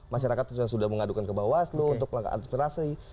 masyarakat sudah mengadukan ke bawah seluruh untuk langkah aspirasi